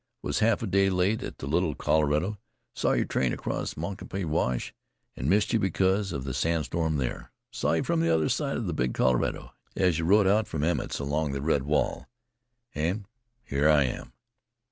Was half a day late at the Little Colorado, saw your train cross Moncaupie Wash, and missed you because of the sandstorm there. Saw you from the other side of the Big Colorado as you rode out from Emmett's along the red wall. And here I am.